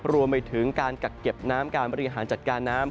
รวมไปถึงการกักเก็บน้ำการบริหารจัดการน้ำ